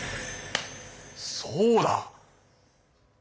そうだ！